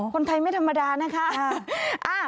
คนไทยไม่ธรรมดานะคะ